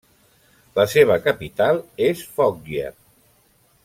La seva capital és Foggia.